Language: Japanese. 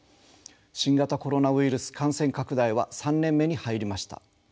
新型コロナウイルス感染拡大は３年目に入りました。